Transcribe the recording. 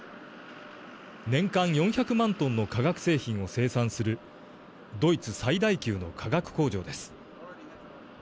年間４００万トンの化学製品を生産するドイツ最大級の化学工場です。